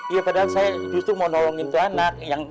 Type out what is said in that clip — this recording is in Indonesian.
ya padahal saya justru mau nolongin tuh anak